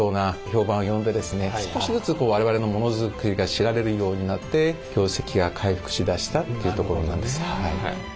少しずつ我々のモノづくりが知られるようになって業績が回復しだしたというところなんです。